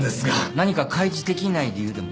何か開示できない理由でも？